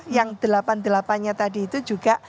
yang delapan delapannya tadi itu juga